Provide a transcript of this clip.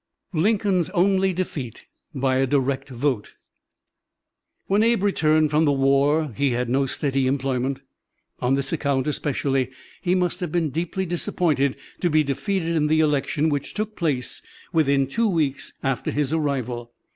LINCOLN'S ONLY DEFEAT BY A DIRECT VOTE When Abe returned from the war he had no steady employment. On this account, especially, he must have been deeply disappointed to be defeated in the election which took place within two weeks after his arrival.